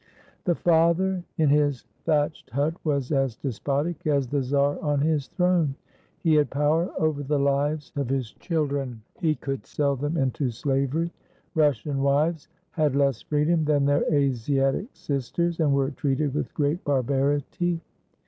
... The father in his thatched hut was as despotic as the czar on his throne; he had power over the lives of his chil dren, he could sell them into slavery. Russian wives had less freedom than their Asiatic sisters, and were treated with great barbarity.